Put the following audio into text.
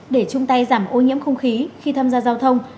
để chung tay giảm ô nhiễm không khí khi tham gia giao thông